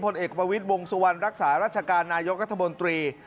พลเอกประวิทย์วงสวรรค์รักษารัชการนายกรรภบนตรี